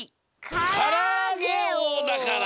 からあげおうだから！